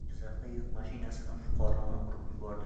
Jizzaxda yuk mashinasi fuqaroni urib yubordi